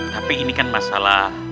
tapi ini kan masalah